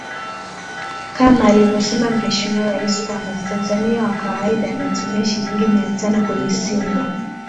kama alivyosema mheshimiwa rais kwamba mtanzania wa kawaida anatumia shilingi mia tano kwenye simu